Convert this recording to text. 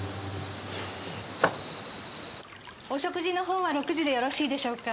お食事の方は６時でよろしいでしょうか？